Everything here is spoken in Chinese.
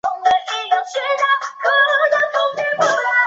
本站的公共洗手间以及母婴室均设于往高增方向的一端。